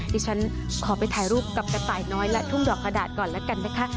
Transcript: ดิฉันขอไปถ่ายรูปกับกระต่ายน้อยและทุ่งดอกกระดาษก่อนแล้วกันนะคะ